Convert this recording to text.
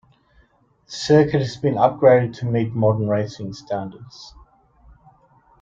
The circuit had been upgraded to meet modern racing standards.